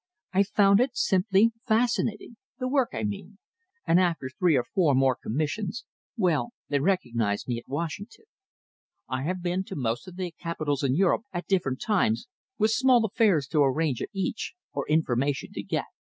I found it simply fascinating the work, I mean and after three or four more commissions well, they recognised me at Washington. I have been to most of the capitals in Europe at different times, with small affairs to arrange at each, or information to get.